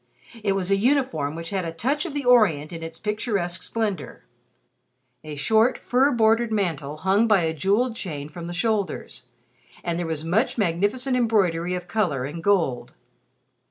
It was a uniform which had a touch of the Orient in its picturesque splendor. A short fur bordered mantle hung by a jeweled chain from the shoulders, and there was much magnificent embroidery of color and gold.